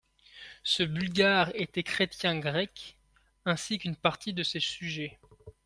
Ce Bulgare était chrétien grec, ainsi qu'une partie de ses sujets.